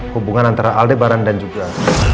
hubungan antara aldebaran dan juga